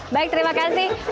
baik terima kasih